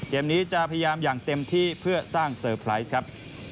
เกมนี้จะพยายามอย่างเต็มที่เพื่อสร้างเซอร์ไพรส์ครับ